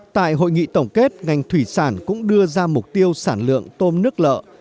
tại hội nghị tổng kết ngành thủy sản cũng đưa ra mục tiêu sản lượng tôm nước lợ